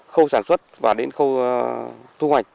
khâu sản xuất và đến khâu thu hoạch